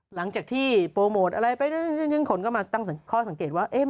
หลังจากที่อะไรไปยึดยึดยึดยึดขนกล้ามาส่งข้อสังเกตว่า